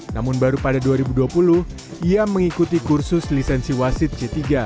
namun baru pada dua ribu dua puluh ia mengikuti kursus lisensi wasit c tiga